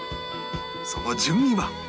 その順位は？